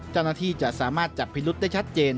เจ้าหน้าที่จะสามารถจับพิรุษได้ชัดเจน